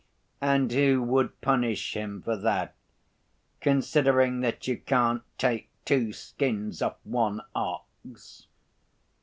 And who would punish him for that, considering that you can't take two skins off one ox?